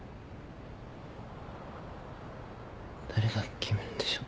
誰が決めるんでしょう。